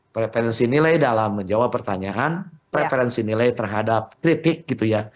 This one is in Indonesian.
preferensi nilai dalam menjawab pertanyaan preferensi nilai terhadap kritik gitu ya